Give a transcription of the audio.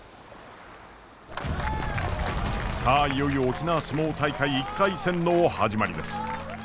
さあいよいよ沖縄角力大会１回戦の始まりです。